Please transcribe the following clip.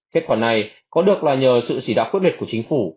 kết quả này có được là nhờ sự chỉ đạo quyết liệt của chính phủ